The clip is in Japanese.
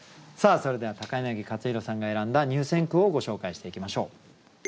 それでは柳克弘さんが選んだ入選句をご紹介していきましょう。